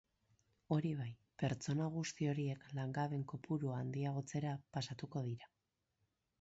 Hori bai, pertsona guzti horiek langabeen kopurua handiagotzera pasatuko dira.